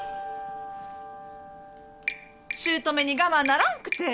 姑に我慢ならんくて。